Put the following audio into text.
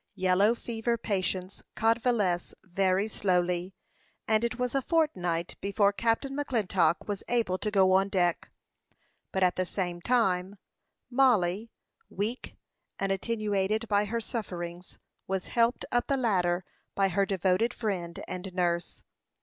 Yellow fever patients convalesce very slowly; and it was a fortnight before Captain McClintock was able to go on deck; but at the same time, Mollie, weak and attenuated by her sufferings, was helped up the ladder by her devoted friend and nurse.